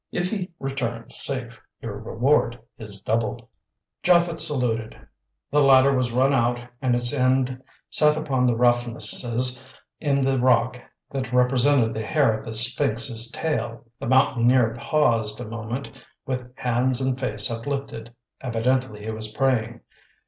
If he returns safe your reward is doubled." Japhet saluted, the ladder was run out and its end set upon the roughnesses in the rock that represented the hair of the sphinx's tail. The Mountaineer paused a moment with hands and face uplifted; evidently he was praying.